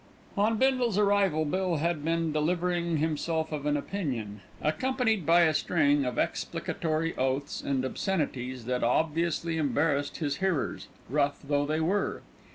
On Bindle's arrival Bill had been delivering himself of an opinion, accompanied by a string of explicatory oaths and obscenities that obviously embarrassed his hearers, rough though they were.